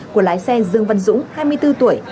của lái xe dương văn dũng hai mươi bốn tuổi